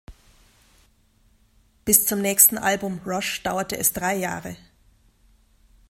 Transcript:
Bis zum nächsten Album "Rush" dauerte es drei Jahre.